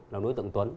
là đối tượng tuấn